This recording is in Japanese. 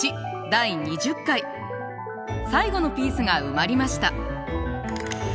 第２０回最後のピースが埋まりました。